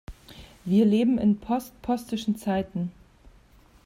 Wir leben in postpostischen Zeiten.